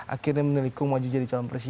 akhirnya meneliku maju jadi calon presiden